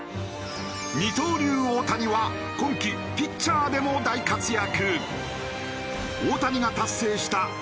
二刀流大谷は今季ピッチャーでも大活躍。